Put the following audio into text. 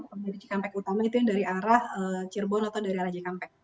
yang di jekampek utama itu yang dari arah cirebon atau dari arah jekampek